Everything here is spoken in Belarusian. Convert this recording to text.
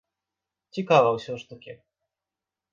Цікава ўсё ж такі.